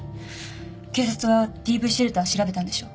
警察はＤＶシェルター調べたんでしょ？